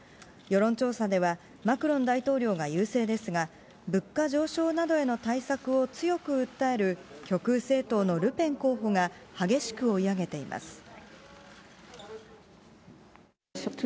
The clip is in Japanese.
世論調査では、マクロン大統領が優勢ですが、物価上昇などへの対策を強く訴える極右政党のルペン候補が激しく追い上げています。